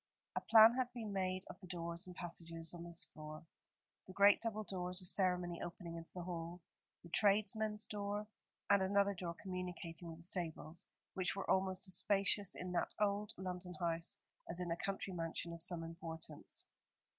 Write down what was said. A plan had been made of the doors and passages on this floor, the great double doors of ceremony opening into the hall, the tradesmen's door, and another door communicating with the stables, which were almost as spacious in that old London house as in a country mansion of some importance.